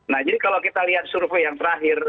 nah jadi kalau kita lihat survei yang terakhir